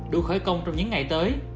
đủ khởi công trong những ngày tới